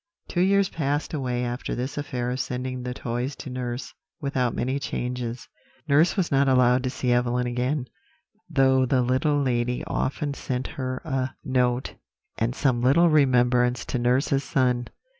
"Two years passed away after this affair of sending the toys to nurse, without many changes. Nurse was not allowed to see Evelyn again, though the little lady often sent her a note, and some little remembrance to nurse's son.